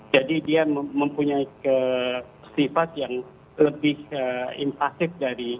dia mempunyai sifat yang lebih impasif dari